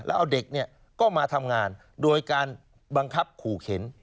แล้วเอาเด็กเนี่ยก็มาทำงานโดยการบังคับขู่เข็น